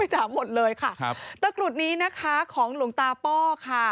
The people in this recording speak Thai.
ตะกรุดนี้นะคะของหลวงตาเป้าะค่ะ